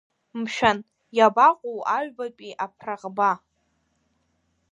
Мшәан, иабаҟоу аҩбатәи аԥраӷба?